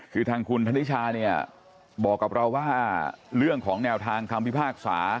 คือทางคุณธนิชาเนี่ยบอกกับเราว่าเรื่องของแนวทางคำพิพากษา